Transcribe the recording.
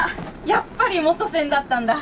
やっぱり元栓だったんだ。